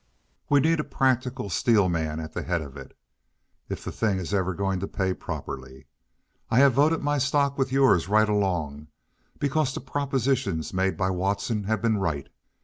We need a practical steel man at the head of it, if the thing is ever going to pay properly. I have voted my stock with yours right along because the propositions made by Watson have been right.